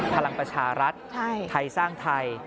พลังประชารัฐไทยสร้างไทย